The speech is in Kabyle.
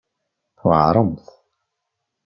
Tweɛremt.